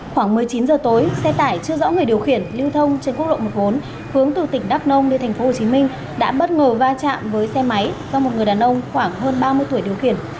khoảng một mươi chín giờ tối xe tải chưa rõ người điều khiển lưu thông trên quốc lộ một mươi bốn hướng từ tỉnh đắk nông đi tp hcm đã bất ngờ va chạm với xe máy do một người đàn ông khoảng hơn ba mươi tuổi điều khiển